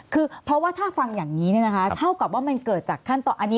คือพอว่าฟังอย่างนี้นะคะเท่ากับว่ามันเกิดจากขั้นตอน